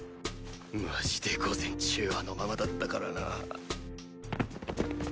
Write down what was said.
マジで午前中あのままだったからな